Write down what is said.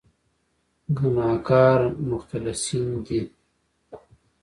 ګناهکار مختلسین دي.